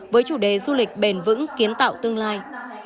với chủ đề du lịch bền vững kiến tạo tương lai